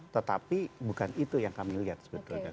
tetapi bukan itu yang kami lihat sebetulnya